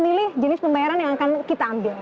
ini adalah pembayaran yang akan kita ambil